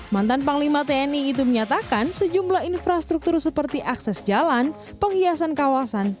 mantan panglima tni itu menyatakan sejumlah infrastruktur seperti akses jalan penghiasan kawasan